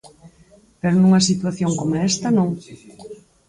Pero nunha situación coma esta, non.